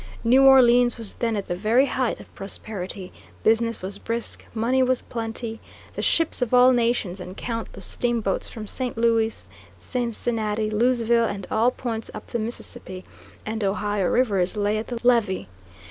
Now Orleans was then at the very height of prosperity; business was brisk, money was plenty, the ships of all nations and countless steamboats from St. Louis, Cincinnati, Louisville and all points up the Mississippi and Ohio rivers lay at the levee.